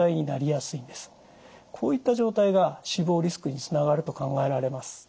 こういった状態が死亡リスクにつながると考えられます。